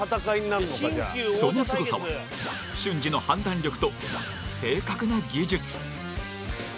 そのすごさは瞬時の判断力と正確な技術。